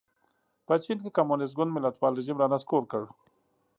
په چین کې کمونېست ګوند ملتپال رژیم را نسکور کړ.